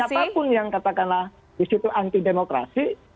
siapapun yang katakanlah disitu anti demokrasi